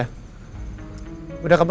kau mau lihat kesana